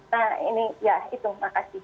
nah ini ya itu makasih